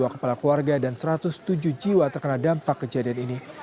dua kepala keluarga dan satu ratus tujuh jiwa terkena dampak kejadian ini